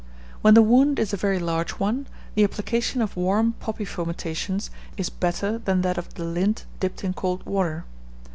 When the wound is a very large one, the application of warm poppy fomentations is better than that of the lint dipped in cold water.